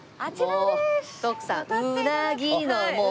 徳さん「うなぎ」のもう。